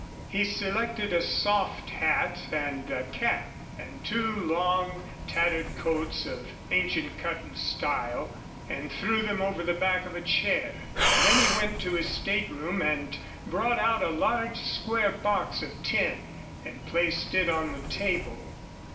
He selected a soft hat and a cap and two long, tattered coats of ancient cut and style and threw them over the back of a chair. Then he went to his stateroom and brought out a large square box of tin and placed it on the table.